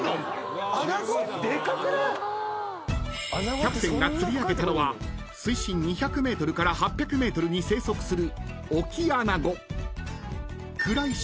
［キャプテンが釣り上げたのは水深２００ｍから８００ｍに生息する］